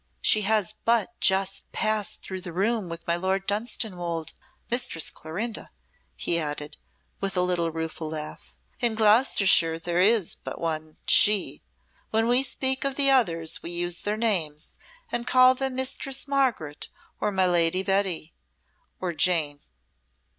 "She has but just passed through the room with my Lord Dunstanwolde Mistress Clorinda," he added, with a little rueful laugh. "In Gloucestershire there is but one 'she.' When we speak of the others we use their names and call them Mistress Margaret or my Lady Betty or Jane."